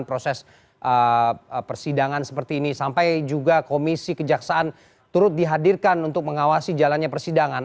proses persidangan seperti ini sampai juga komisi kejaksaan turut dihadirkan untuk mengawasi jalannya persidangan